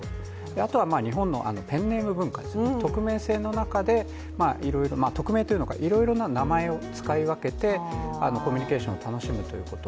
あとは日本のペンネーム文化ですよね、匿名性の中で、いろいろ匿名というかいろいろな名前を使い分けてコミュニケーションを楽しむということ。